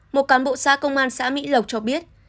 một cán bộ xa công an xã mỹ lộc cho biết